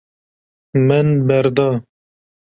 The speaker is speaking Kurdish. Min berda.